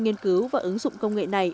nghiên cứu và ứng dụng công nghệ này